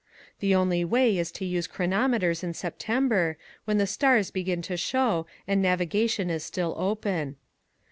The only way is to use chronometers in September, when the stars begin to show and navigation is still open.